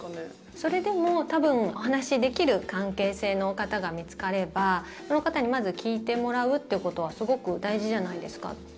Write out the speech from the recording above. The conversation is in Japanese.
それでも、お話しできる関係性の方が見つかればその方にまず聞いてもらうっていうことはすごく大事じゃないですか。